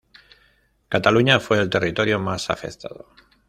Cataluña fue el territorio más afectado.